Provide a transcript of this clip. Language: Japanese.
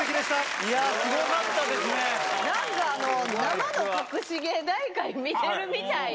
いやぁ、なんか、生の隠し芸大会見てるみたいな。